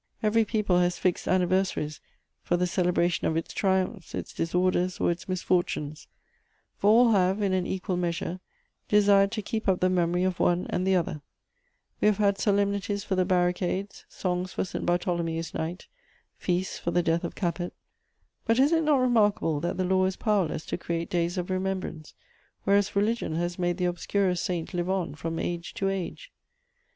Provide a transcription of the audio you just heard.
Every people has fixed anniversaries for the celebration of its triumphs, its disorders, or its misfortunes, for all have, in an equal measure, desired to keep up the memory of one and the other: we have had solemnities for the barricades, songs for St. Bartholomew's Night, feasts for the death of Capet; but is it not remarkable that the law is powerless to create days of remembrance, whereas religion has made the obscurest saint live on from age to age?